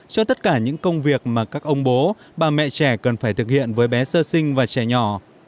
cho tất cả những công việc mà các ông bố bà mẹ trẻ cần phải thực hiện với bé sơ sinh và trẻ nhỏ